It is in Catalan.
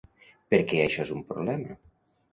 Per què això és un problema?